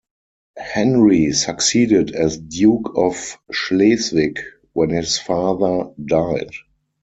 Henry succeeded as Duke of Schleswig when his father died.